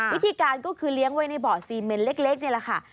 วิธีการก็คือเลี้ยงไว้ในเบาะซีเมนเล็กนี่แหละค่ะ